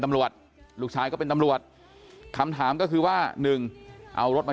ลูกชายก็เป็นตำรวจคำถามก็คือว่าหนึ่งเอารถมา